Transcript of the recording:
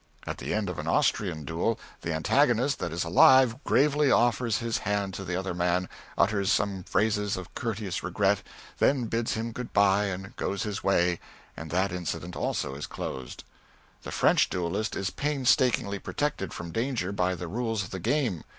At the end of an Austrian duel the antagonist that is alive gravely offers his hand to the other man, utters some phrases of courteous regret, then bids him good by and goes his way, and that incident also is closed. The French duellist is painstakingly protected from danger, by the rules of the game.